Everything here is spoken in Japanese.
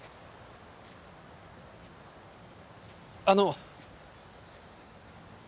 あの。